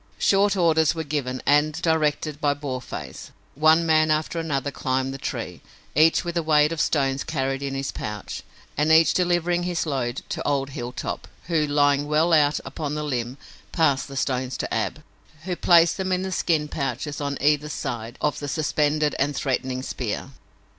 Short orders were given, and, directed by Boarface, one man after another climbed the tree, each with a weight of stones carried in his pouch, and each delivering his load to old Hilltop, who, lying well out upon the limb, passed the stones to Ab, who placed them in the skin pouches on either side the suspended and threatening spear.